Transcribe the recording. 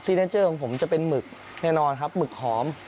เนเจอร์ของผมจะเป็นหมึกแน่นอนครับหมึกหอม